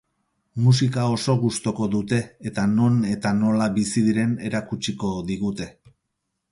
Musika oso gustoko dute eta non eta nola bizi diren erakutsiko digute.